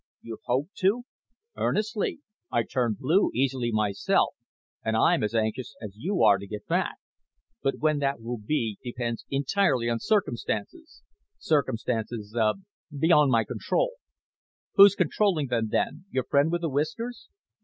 "You hope to?" "Earnestly. I turn blue easily myself, and I'm as anxious as you are to get back. But when that will be depends entirely on circumstances. Circumstances, uh, beyond my control." "Who's controlling them, then? Your friend with the whiskers?"